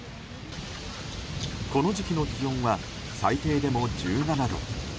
この時期の気温は最低でも１７度。